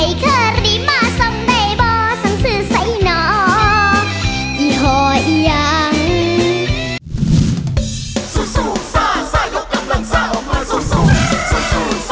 ยกกำรังซ่าส่อมไก่สูทสอง